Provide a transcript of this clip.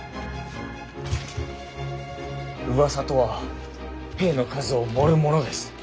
うわさとは兵の数を盛るものです。